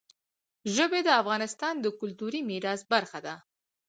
ژبې د افغانستان د کلتوري میراث برخه ده.